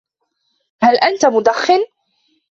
هل أنت مدخن ؟